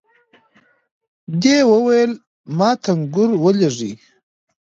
دې وويل ما ټنګور ولېږئ.